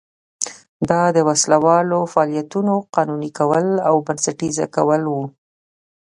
دا د وسله والو فعالیتونو قانوني کول او بنسټیزه کول و.